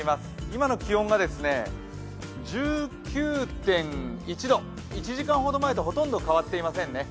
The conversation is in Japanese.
今の気温が１９．１度、１時間ほど前とほとんど変わっていませんね。